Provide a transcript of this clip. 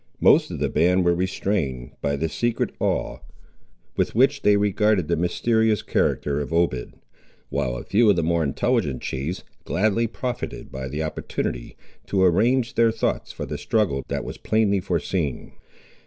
Most of the band were restrained, by the secret awe with which they regarded the mysterious character of Obed; while a few of the more intelligent chiefs gladly profited by the opportunity, to arrange their thoughts for the struggle that was plainly foreseen.